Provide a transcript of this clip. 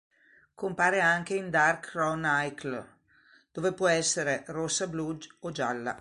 Compare anche in "Dark Chronicle", dove può essere rossa, blu o gialla.